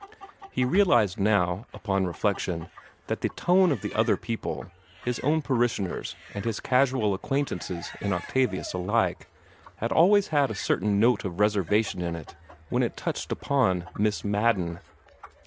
He realized now, upon reflection, that the tone of other people, his own parishioners and his casual acquaintances in Octavius alike, had always had a certain note of reservation in it when it touched upon Miss Madden.